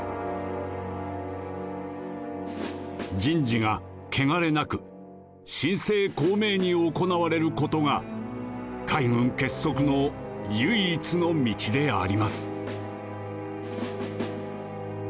「人事がけがれなく神聖公明に行われることが海軍結束の唯一の道であります」。